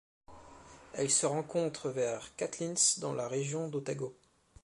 Elle se rencontre vers Catlins dans la région d'Otago.